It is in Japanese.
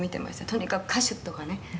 とにかく歌手とかね